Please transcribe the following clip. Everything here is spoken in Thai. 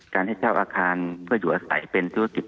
ให้เช่าอาคารเพื่ออยู่อาศัยเป็นธุรกิจ